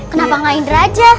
kenapa gak inder aja